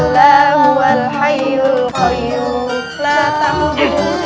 buat hayo you stratum misti adam wal kiss